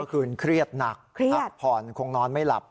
เมื่อคืนเครียดหนักเครียดผ่อนคงนอนไม่หลับถูกต้อง